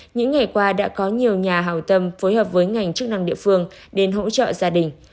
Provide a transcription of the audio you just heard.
những ngày qua đã có nhiều nhà hào tâm phối hợp với ngành chức năng địa phương đến hỗ trợ gia đình